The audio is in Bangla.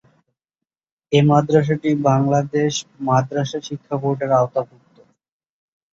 এ মাদ্রাসাটি বাংলাদেশ মাদরাসা শিক্ষা বোর্ডের আওতাভুক্ত।